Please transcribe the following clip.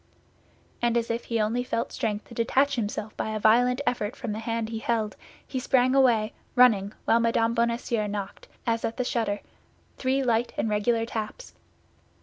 And as if he only felt strength to detach himself by a violent effort from the hand he held, he sprang away, running, while Mme. Bonacieux knocked, as at the shutter, three light and regular taps.